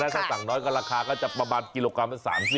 ถ้าสั่งน้อยก็ราคาก็จะประมาณกิโลกรัมละ๓๐